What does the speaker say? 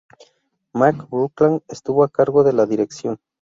Mark Buckland estuvo a cargo de la dirección.